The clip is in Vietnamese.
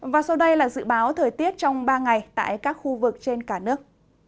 và sau đây là dự báo thời tiết trong ba ngày tại các khu vực trên cả nước